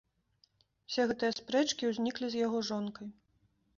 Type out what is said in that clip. Усе гэтыя спрэчкі ўзніклі з яго жонкай.